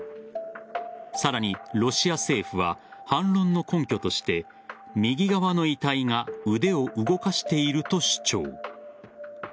さらに、ロシア政府は反論の根拠として右側の遺体が腕を動かしていると主張。